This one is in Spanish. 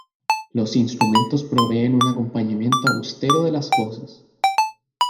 Los instrumentos proveen un acompañamiento austero a las voces.